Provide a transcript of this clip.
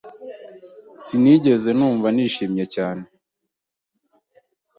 Sinigeze numva nishimye cyane.